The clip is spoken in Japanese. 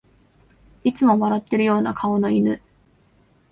いつも笑ってるような顔の犬